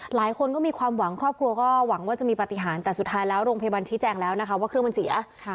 หลายคนก็มีความหวังครอบครัวก็หวังว่าจะมีปฏิหารแต่สุดท้ายแล้วโรงพยาบาลชี้แจงแล้วนะคะว่าเครื่องมันเสีย